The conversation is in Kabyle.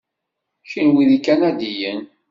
Kenwi d ikanadiyen?